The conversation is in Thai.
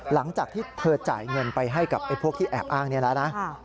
หลังจากที่เธอจ่ายเงินไปให้กับพวกที่แอบอ้างนี้แล้วนะ